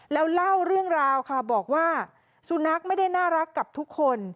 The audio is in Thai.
แล้วเล่าเรื่องราวค่ะบอกว่าสุนัขไม่ได้น่ารักกับทุกคน